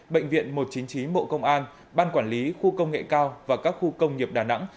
bệnh viện một trăm chín mươi chín bộ công an ban quản lý khu công nghệ cao và các khu công nghiệp đà nẵng